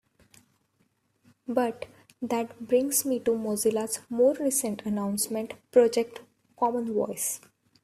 But that brings me to Mozilla's more recent announcement: Project Common Voice.